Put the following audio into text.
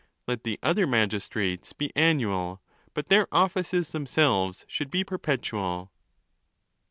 Let the other magis trates be annual, but their offices themselves should be perpetual.